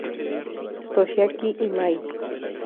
Toshiaki Imai